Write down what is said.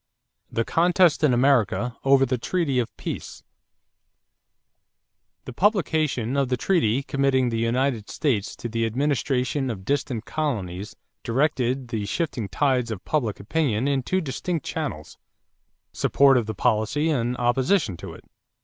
=The Contest in America over the Treaty of Peace.= The publication of the treaty committing the United States to the administration of distant colonies directed the shifting tides of public opinion into two distinct channels: support of the policy and opposition to it.